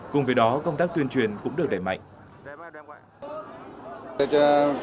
cùng với đó công tác tuyên truyền cũng được đẩy mạnh